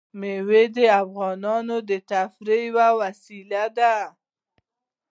مېوې د افغانانو د تفریح یوه وسیله ده.